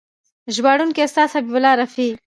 ژباړونکی: استاد حبیب الله رفیع